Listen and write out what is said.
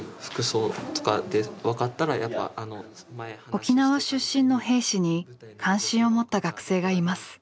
沖縄出身の兵士に関心を持った学生がいます。